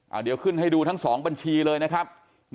เอาเดี่ยวขึ้นให้ดูทั้งสองทั้งบัญชีเลยนะครับ